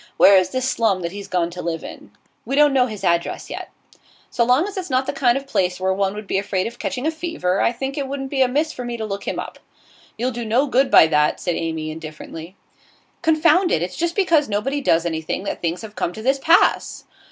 Where is this slum that he's gone to live in?' 'We don't know his address yet.' 'So long as it's not the kind of place where one would be afraid of catching a fever, I think it wouldn't be amiss for me to look him up.' 'You'll do no good by that,' said Amy, indifferently. 'Confound it! It's just because nobody does anything that things have come to this pass!